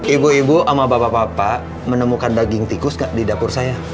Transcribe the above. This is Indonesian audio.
ibu ibu sama bapak bapak menemukan daging tikus di dapur saya